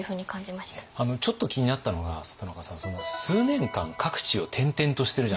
ちょっと気になったのが里中さん数年間各地を転々としてるじゃないですか。